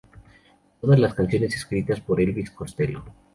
Todas las canciones escritas por Elvis Costello.